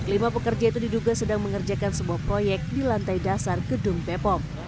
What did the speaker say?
kelima pekerja itu diduga sedang mengerjakan sebuah proyek di lantai dasar gedung bepom